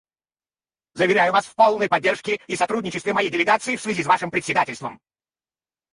Заверяю вас в полной поддержке и сотрудничестве моей делегации в связи с вашим председательством.